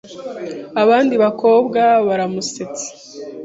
Abandi bakobwa baramusetse.